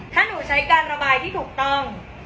ถ้าหนูใช้การระบายที่ถูกต้อง